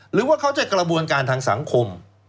หรือว่าเขาจะกระบวนการทางสังคม